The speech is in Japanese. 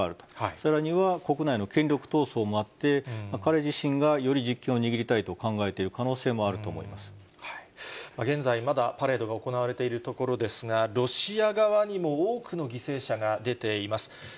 さらには国内の権力闘争もあって、彼自身がより実権を握りたいと考現在、まだパレードが行われているところですが、ロシア側にも多くの犠牲者が出ています。